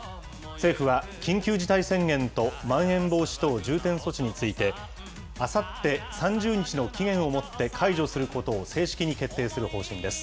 政府は、緊急事態宣言とまん延防止等重点措置について、あさって３０日の期限をもって、解除することを正式に決定する方針です。